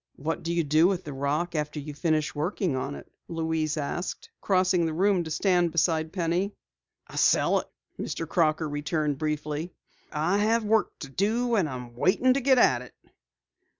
"What do you do with the rock after you finish working on it?" Louise asked, crossing the room to stand beside Penny. "I sell it," Mr. Crocker returned briefly. "I have work to do, and I'm waiting to get at it."